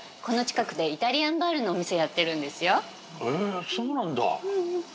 この近くでイタリアンバールのお店やってるんですよ